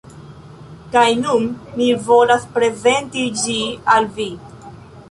Kaj nun, mi volas prezenti ĝi al vi.